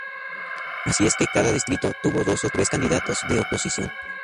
Así es que cada distrito tuvo dos o tres candidatos de oposición.